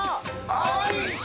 おいし！